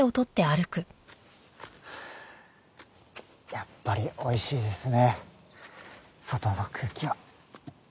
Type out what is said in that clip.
やっぱりおいしいですね外の空気は。